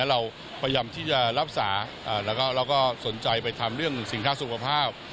เราพยายามที่จะรักษาแล้วก็สนใจไปทำเรื่องสินค้าสุขภาพ